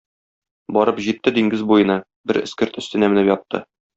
Барып җитте диңгез буена, бер эскерт өстенә менеп ятты.